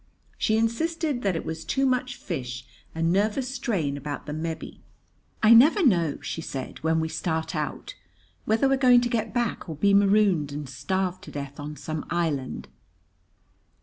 She insisted that it was too much fish and nervous strain about the Mebbe. "I never know," she said, "when we start out whether we're going to get back or be marooned and starve to death on some island."